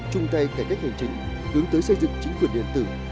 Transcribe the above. chung tay cải cách hành chính hướng tới xây dựng chính quyền điện tử